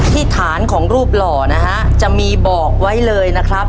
ที่ฐานของรูปหล่อนะฮะจะมีบอกไว้เลยนะครับ